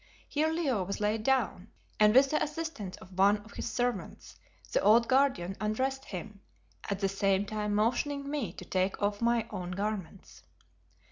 Here Leo was laid down, and with the assistance of one of his servants, the old Guardian undressed him, at the same time motioning me to take off my own garments.